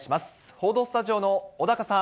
報道スタジオの小高さん。